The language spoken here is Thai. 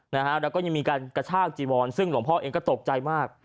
แล้วก็ยังมีการกระชากจีวอนซึ่งหลวงพ่อเองก็ตกใจมาก